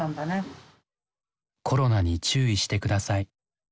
「コロナに注意してください」。